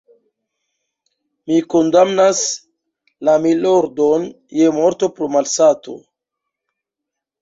Mi kondamnas la _milordon_ je morto pro malsato.